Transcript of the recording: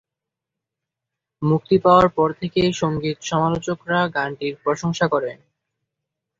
মুক্তি পাওয়ার পর থেকেই সঙ্গীত সমালোচকরা গানটির প্রশংসা করেন।